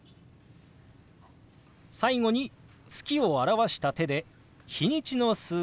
最後に「月」を表した手で日にちの数字「２７」を表します。